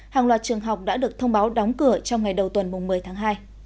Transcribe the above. hàng loạt trường học đã được thông báo đóng cửa trong ngày đầu tuần một mươi tháng hai